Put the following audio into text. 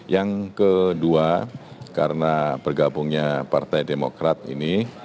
yang kedua karena bergabungnya partai demokrat ini